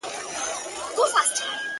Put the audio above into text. نن شپه به دودوو ځان، د شینکي بنګ وه پېغور ته.